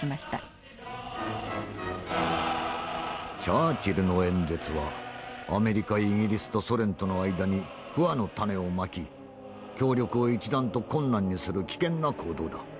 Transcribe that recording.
「チャーチルの演説はアメリカイギリスとソ連との間に不和の種をまき協力を一段と困難にする危険な行動だ。